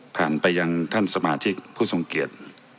ผ่านไปยังท่านสมาชิกผู้ทรงเกียจ